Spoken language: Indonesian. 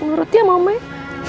menurutnya mama ya